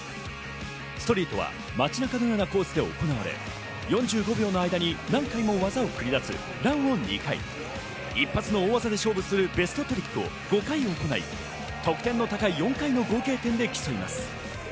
ストリートは街中のような構図で行われ、４５秒の間に何回も技を繰り出すランを２回、一発の大技で勝負するベストトリックを５回行い得点の高い４回の合計点で競います。